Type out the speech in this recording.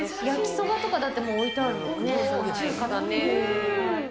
焼きそばとかだって、もう置中華だね。